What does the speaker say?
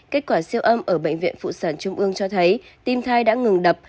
kết quả siêu âm ở bệnh viện phụ sản trung ương cho thấy tim thai đã ngừng đập